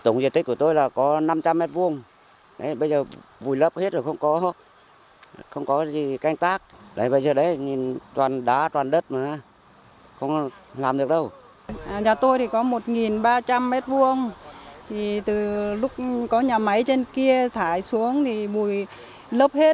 nhà tôi thì có một ba trăm linh m hai thì từ lúc có nhà máy trên kia thải xuống thì mùi lấp hết